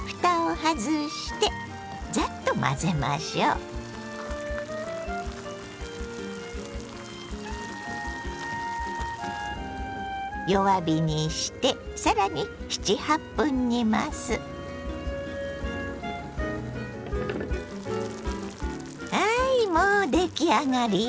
はいもう出来上がりよ！